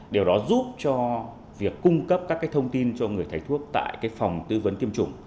điều đó giúp cho việc cung cấp các thông tin cho người thầy thuốc tại phòng tư vấn tiêm chủng